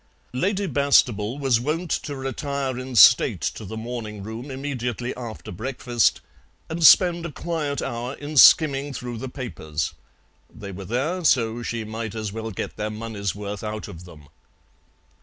Lady Bastable was wont to retire in state to the morning room immediately after breakfast and spend a quiet hour in skimming through the papers; they were there, so she might as well get their money's worth out of them.